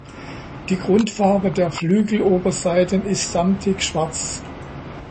Die Grundfarbe der Flügeloberseiten ist samtig schwarz.